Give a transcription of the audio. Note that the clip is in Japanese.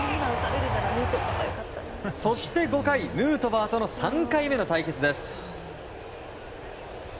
そして、５回、ヌートバーとの３回目の対決です。